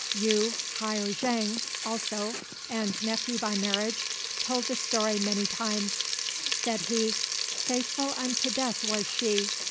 Yu Hyo jang, also, An's nephew by marriage, told the story many times. Said he, "Faithful unto death was she.